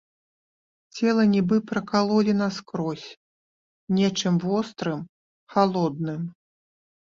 Цела нібы пракалолі наскрозь нечым вострым, халодным.